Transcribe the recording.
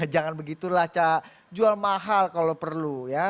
jangan begitu lah cak jual mahal kalau perlu ya